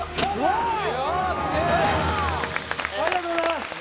ありがとうございます